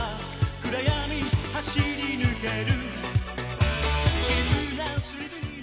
「暗闇走りぬける」